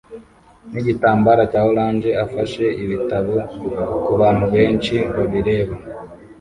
nigitambara cya orange afashe ibitabo kubantu benshi babireba